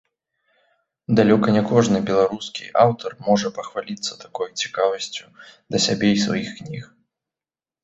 Далёка не кожны беларускі аўтар можна пахваліцца такой цікавасцю да сябе і сваіх кніг.